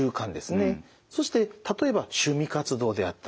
そして例えば趣味活動であったりと。